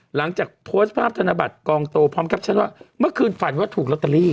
หลังจากโพสต์ภาพธนบัตรกองโตพร้อมแคปชั่นว่าเมื่อคืนฝันว่าถูกลอตเตอรี่